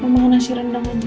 mau nasi rendang aja